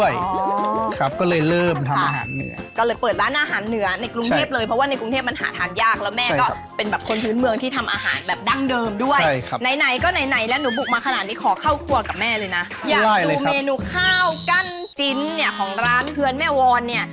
อยากดูเมนูข้าวกั้นจิ้นเนี่ยของร้านเฮือนแม่วอนเนี่ย